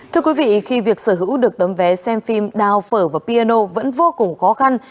thưa quý vị khi việc sở hữu được tấm vé xem phim đào phở và piano vẫn vô cùng khó khăn